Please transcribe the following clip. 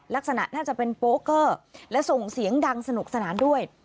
ลักษณะน่าจะเป็นโป๊เกอร์และส่งเสียงดังสนุกสนานด้วย